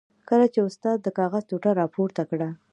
کله چې استاد د کاغذ ټوټه را پورته کړه.